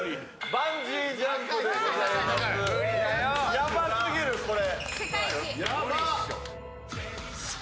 ヤバすぎる、これ！